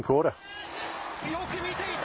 よく見ていた。